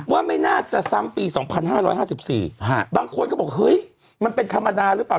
ว่าไม่น่าจะซ้ำปี๒๕๕๔บางคนก็บอกเฮ้ยมันเป็นธรรมดาหรือเปล่า